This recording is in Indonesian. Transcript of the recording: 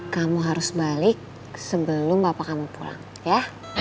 kamu harus balik sebelum bapak kamu pulang ya